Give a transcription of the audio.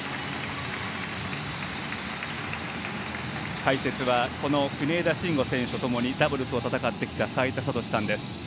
解説はこの国枝慎吾選手とともにダブルスを戦ってきた齋田悟司さんです。